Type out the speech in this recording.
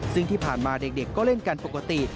ซึ่งที่ผ่านมาเด็กก็เล่นกันปกติ